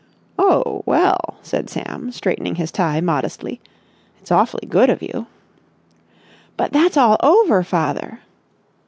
"Oh, well!" said Sam, straightening his tie modestly. "It's awfully good of you...." "But that's all over, father."